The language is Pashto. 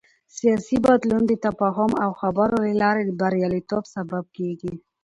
سیاسي بدلون د تفاهم او خبرو له لارې د بریالیتوب سبب کېږي